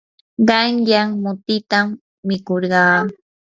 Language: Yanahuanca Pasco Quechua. qanyan mutitam mikurqaa.